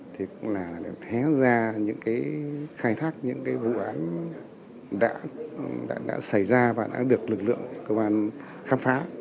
thì cũng là hé ra những cái khai thác những cái vụ án đã xảy ra và đã được lực lượng công an khám phá